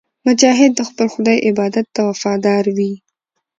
مجاهد د خپل خدای عبادت ته وفادار وي.